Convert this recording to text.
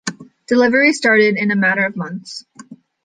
Deliveries started in a matter of months.